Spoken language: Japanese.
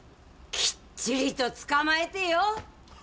きっちりと捕まえてよ。